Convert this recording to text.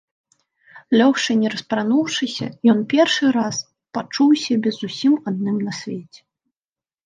Лёгшы не распрануўшыся, ён першы раз пачуў сябе зусім адным на свеце.